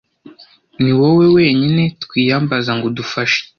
ni wowe (wenyine) twiyambaza ngo udufashe